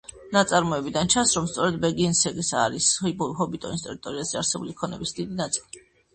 ნაწარმოებიდან ჩანს, რომ სწორედ ბეგინსების არის ჰობიტონის ტერიტორიაზე არსებული ქონების დიდი ნაწილი.